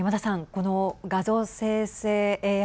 この画像生成ＡＩ